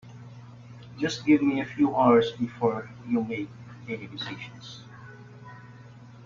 Just give me a few hours before you make any decisions.